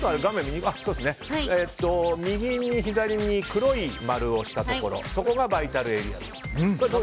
右に左に黒い丸をしたところそこがバイタルエリアだと。